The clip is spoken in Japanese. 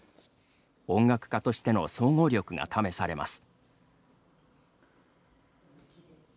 音楽家としての総合力が試されます。